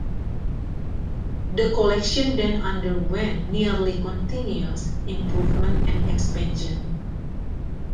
The collection then underwent nearly continuous improvement and expansion.